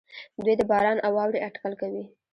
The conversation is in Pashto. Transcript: دوی د باران او واورې اټکل کوي.